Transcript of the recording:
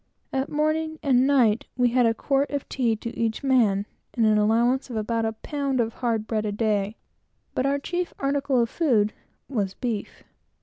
At morning and night we had a quart of tea to each man; and an allowance of about a pound of hard bread a day; but our chief article of food was the beef.